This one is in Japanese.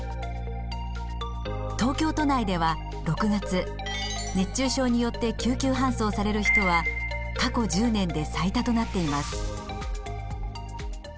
東京都内では６月熱中症によって救急搬送される人は過去１０年で最多となっています。